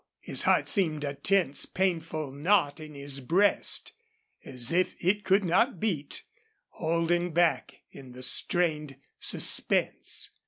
His heart seemed a tense, painful knot in his breast, as if it could not beat, holding back in the strained suspense.